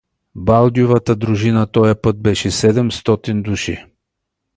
Балдювата дружина тоя път беше седемстотин души.